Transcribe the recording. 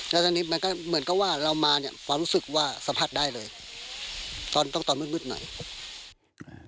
แล้วตอนนี้มันก็เหมือนกับว่าเรามาเนี่ยความรู้สึกว่าสัมผัสได้เลยตอนต้องตอนมืดมืดหน่อย